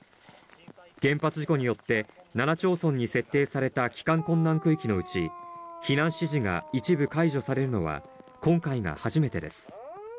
原発事故によって７町村設定された帰還困難区域のうち、避難指示が一部解除されるのは、今回が初めてです。